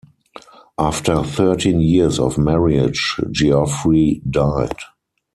After thirteen years of marriage Geoffery died.